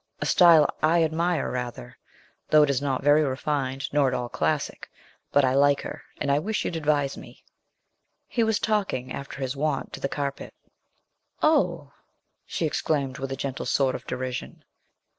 A style I admire rather, though it is not very refined, nor at all classic. But I like her, and I wish you'd advise me.' He was talking, after his wont, to the carpet. 'Oh?' she exclaimed, with a gentle sort of derision.